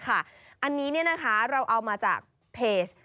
อันนี้เราเอามาจากเพจ